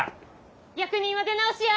役人は出直しや！